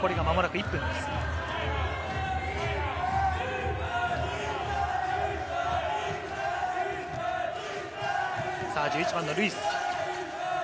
１１番のルイス。